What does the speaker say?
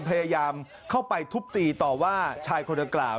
พยายามเข้าไปทุบตีต่อว่าชายคนดังกล่าว